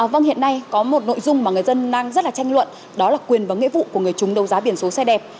vâng hiện nay có một nội dung mà người dân đang rất là tranh luận đó là quyền và nghĩa vụ của người chúng đấu giá biển số xe đẹp